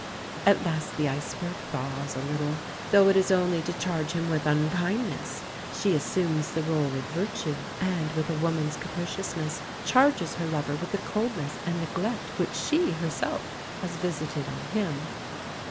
At last the iceberg thaws a little though it is only to charge him with unkindness! She assumes the rôle of virtue; and, with a woman's capriciousness, charges her lover with the coldness and neglect which she herself has visited on him.